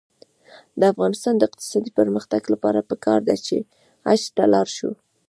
د افغانستان د اقتصادي پرمختګ لپاره پکار ده چې حج ته لاړ شو.